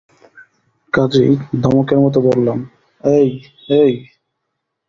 কাজেই ধমকের মতো বললাম, এ্যাই, এ্যাই।